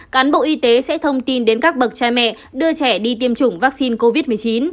cán bộ y tế sẽ thông tin đến các bậc cha mẹ đưa trẻ đi tiêm chủng vaccine covid một mươi chín